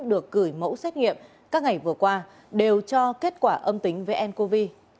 được gửi mẫu xét nghiệm các ngày vừa qua đều cho kết quả âm tính với ncov